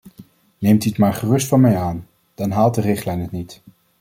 Neemt u het maar gerust van mij aan: dan haalt de richtlijn het niet.